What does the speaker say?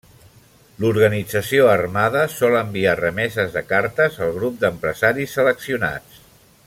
L'organització armada sol enviar remeses de cartes al grup d'empresaris seleccionats.